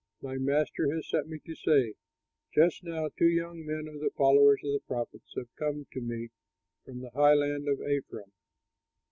My master has sent me to say, 'Just now two young men of the followers of the prophets have come to me from the highland of Ephraim.